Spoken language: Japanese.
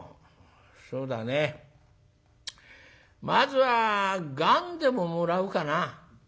「そうだねまずはがんでももらうかな」。